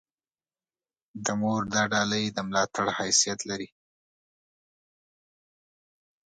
د مور دا ډالۍ د ملاتړ حیثیت لري.